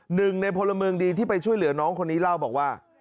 หนึ่งในพลเมืองดีที่ไปช่วยเหลือน้องคนนี้เล่าบอกว่า